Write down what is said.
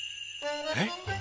えっ。